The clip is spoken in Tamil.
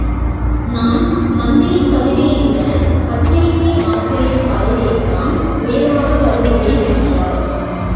நான் மந்திரி பதவியைவிட பத்திரிகை ஆசிரியர் பதவியைத்தான் உயர்வாகக் கருதுகிறேன் என்றார்.